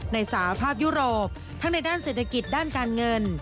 สาภาพยุโรปทั้งในด้านเศรษฐกิจด้านการเงิน